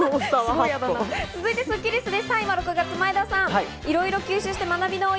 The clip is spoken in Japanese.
続いてスッキりすです。